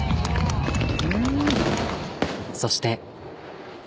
そして。